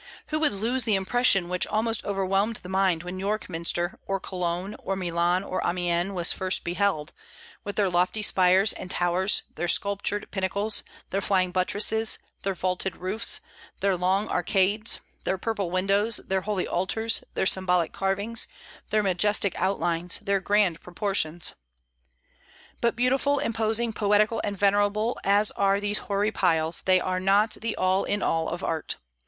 Who would lose the impression which almost overwhelmed the mind when York minster, or Cologne, or Milan, or Amiens was first beheld, with their lofty spires and towers, their sculptured pinnacles, their flying buttresses, their vaulted roofs, their long arcades, their purple windows, their holy altars, their symbolic carvings, their majestic outlines, their grand proportions! But beautiful, imposing, poetical, and venerable as are these hoary piles, they are not the all in all of art.